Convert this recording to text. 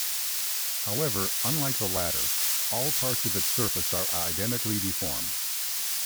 However, unlike the latter, all parts of its surface are identically deformed.